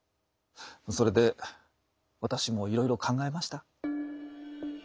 それで私もいろいろ考えました。